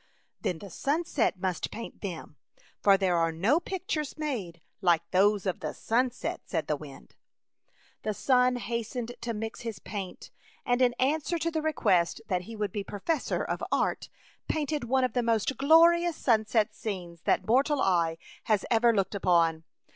" Then the sunset must paint them, for there are no pictures made like those of the sunset,'* said the wind. The sun hastened to mix his paint, and in answer to the request that he would be professor of art, painted one of the most glorious sunset scenes that mortal eye has ever looked upon.